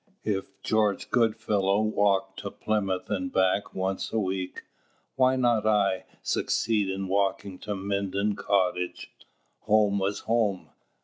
If George Goodfellow walked to Plymouth and back once a week, why might not I succeed in walking to Minden Cottage? Home was home.